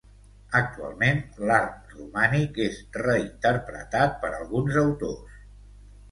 Actualment, l'art romànic és reinterpretat per alguns autors.